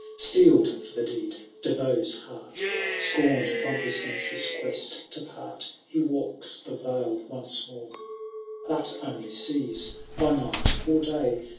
XI. Steerd for the deed, De Vaux^s heart Scorned firom his venturous quest to part. He walks the vale once more ; But only sees, by night or day.